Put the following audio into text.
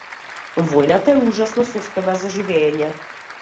Војната е ужасна состојба за живеење.